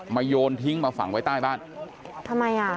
โยนทิ้งมาฝังไว้ใต้บ้านทำไมอ่ะ